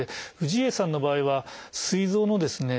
氏家さんの場合はすい臓のですね